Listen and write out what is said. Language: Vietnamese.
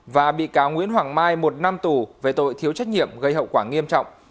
và bị cáo nguyễn hoàng mai một năm tù về tội thiếu trách nhiệm gây hậu quả nghiêm trọng